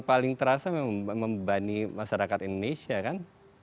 jadi yang terasa memang membebani masyarakat indonesia kan